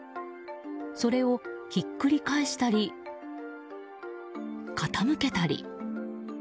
それをひっくり返したり傾けたり。